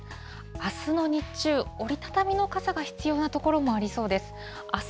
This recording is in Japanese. あすの日中、折り畳みの傘が必要な所もありそうです。